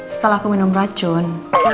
setelah aku minum racun